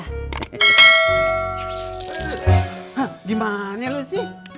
hah dimana lu sih